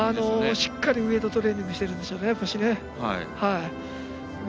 しっかりウエイトトレーニングしているんですね。